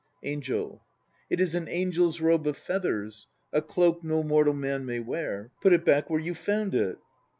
ANGEL It is an angel's robe of feathers, a cloak no mortal man may wear. Put it back where you found it.